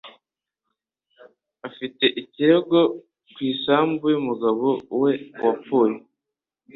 Afite ikirego ku isambu y'umugabo we wapfuye.